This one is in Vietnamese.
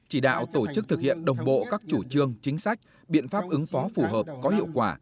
chỉ đạo tổ chức thực hiện đồng bộ các chủ trương chính sách biện pháp ứng phó phù hợp có hiệu quả